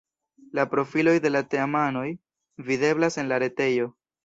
La profiloj de la teamanoj videblas en la retejo.